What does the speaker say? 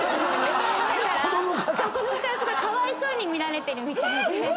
子供から⁉子供からかわいそうに見られてるみたいで。